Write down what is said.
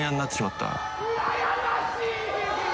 うらやましい！